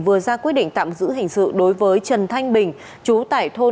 vừa ra quyết định tạm giữ hình sự đối với trần thanh bình